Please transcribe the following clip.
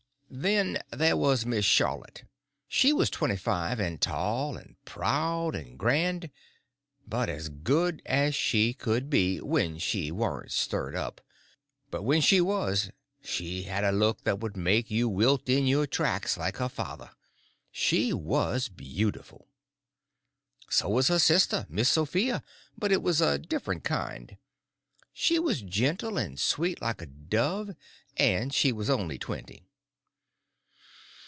Then there was Miss Charlotte; she was twenty five, and tall and proud and grand, but as good as she could be when she warn't stirred up; but when she was she had a look that would make you wilt in your tracks, like her father. She was beautiful. So was her sister, Miss Sophia, but it was a different kind. She was gentle and sweet like a dove, and she was only twenty.